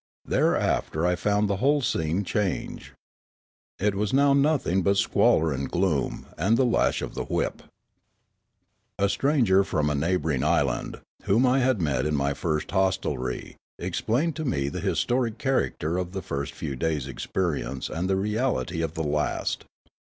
Thereafter I found the whole scene change. It was now nothing but squalor and gloom and the lash of the whip. A stranger from a neighbouring island, whom I had met in my first hostelry, explained to me the histrionic character of the first few days' experience and the reality of the last.